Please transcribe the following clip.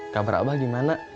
kabar abah gimana